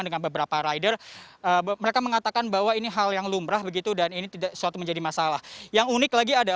dan di hari kedua